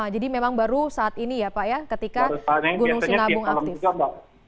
jadi memang baru saat ini ya pak ya ketika gunung singabung aktif